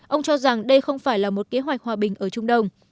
ông cho rằng đây không phải là một kế hoạch hòa bình ở trung đông